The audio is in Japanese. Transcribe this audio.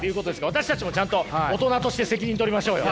私たちもちゃんと大人として責任取りましょうよ。